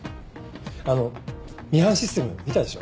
あのミハンシステム見たでしょ？